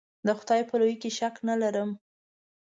د خدای په لویي کې شک نه ارم.